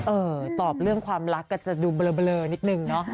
เออตอบเรื่องความรักก็จะดูเบลอนิดนึงเนาะ